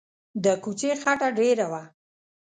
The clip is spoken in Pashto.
د کوڅې خټه ډېره وه.